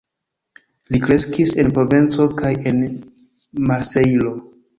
Li kreskis en Provenco kaj en Marsejlo.